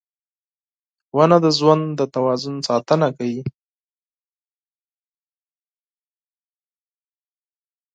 • ونه د ژوند د توازن ساتنه کوي.